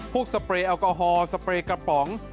สเปรย์แอลกอฮอล์สเปรย์กระป๋อง